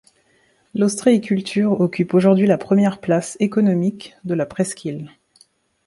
L'ostréiculture occupe aujourd'hui la première place économique de la presqu'île.